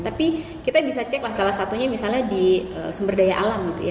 tapi kita bisa cek lah salah satunya misalnya di sumber daya alam gitu ya